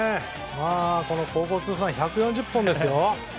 高校通算１４０本ですよ。